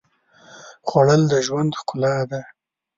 خوړل د ژوند ښکلا ده